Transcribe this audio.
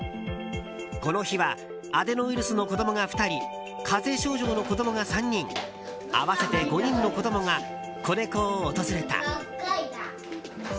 この日はアデノウイルスの子供が２人風邪症状の子供が３人合わせて５人の子供がこねこを訪れた。